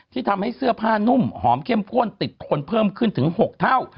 ที่ทำให้เสื้อผ้านุ่มหอมเข้มข้นติดคนเพิ่มขึ้นถึง๖เท่า